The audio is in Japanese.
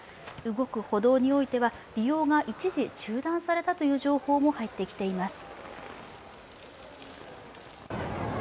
動く歩道においては、利用が一時中断されたという情報も入ってきています。